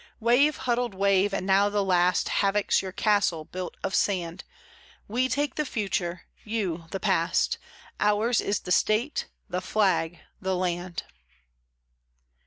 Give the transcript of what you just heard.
Wave huddled wave, and now the last Havocs your castle, built of sand We take the future, you the past, Ours is the State, the Flag, the Land.